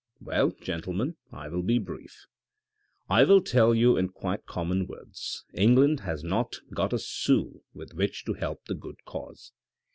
Well, gentlemen, I will be brief. " I will tell you in quite common words : England has not got a sou with which to help the good cause.